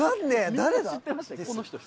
誰だ？